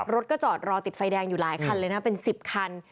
รถก็จอดรอติดไฟแดงอยู่หลายคันเลยนะเป็น๑๐คัน